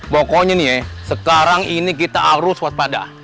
pokoknya nih sekarang ini kita harus waspada